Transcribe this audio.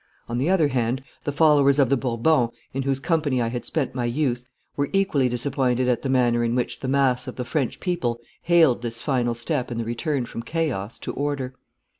On the other hand, the followers of the Bourbons, in whose company I had spent my youth, were equally disappointed at the manner in which the mass of the French people hailed this final step in the return from chaos to order.